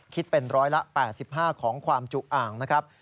คิดเป็นร้อยละ๘๕ของความจุอ่างนะครับ